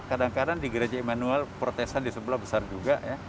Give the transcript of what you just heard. kadang kadang di gereja immanuel protesan di sebelah besar juga ya